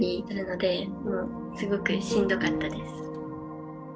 もうすごくしんどかったです。